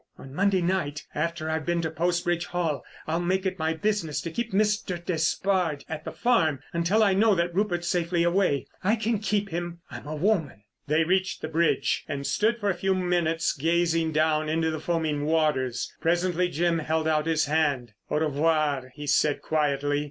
On Monday night, after I've been to Post Bridge Hall, I'll make it my business to keep Mr. Despard at the farm until I know that Rupert's safely away. I can keep him—I'm a woman." They reached the bridge, and stood for a few minutes gazing down into the foaming waters. Presently Jim held out his hand: "Au revoir," he said quietly.